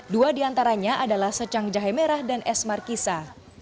dua diantaranya adalah secang jahe merah dan es markisa